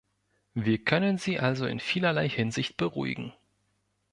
Wir können sie also in vielerlei Hinsicht beruhigen.